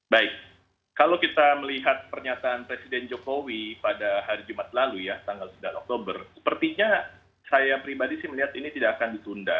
baik kalau kita melihat pernyataan presiden jokowi pada hari jumat lalu ya tanggal sembilan oktober sepertinya saya pribadi sih melihat ini tidak akan ditunda